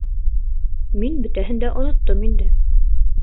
Мин бөтәһен дә оноттом инде.